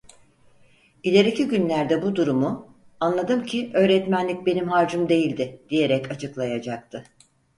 İleriki günlerde bu durumu "anladım ki öğretmenlik benim harcım değildi" diyerek açıklayacaktı.